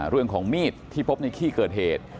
เรื่องของมีดที่พบในที่เกิดเหตุ